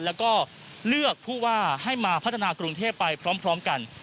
แล้วก็เลือกผู้ว่าให้มาพัฒนากรุงเทพไปพร้อมกัน